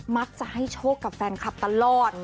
มักจะให้โชคกับแฟนคลับตลอด